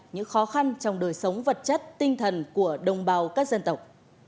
những khó khăn trong đời sống vật chất tinh thần của đồng bào các dân tộc